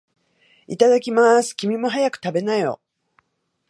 いただきまーす。君も、早く食べなよ。